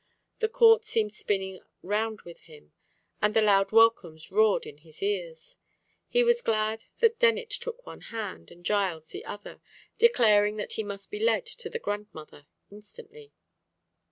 The court seemed spinning round with him, and the loud welcomes roared in his ears. He was glad that Dennet took one hand, and Giles the other, declaring that he must be led to the grandmother instantly.